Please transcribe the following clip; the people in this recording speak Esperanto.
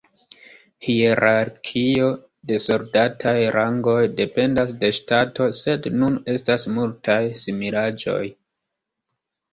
Hierarkio de soldataj rangoj dependas de ŝtato sed nun estas multaj similaĵoj.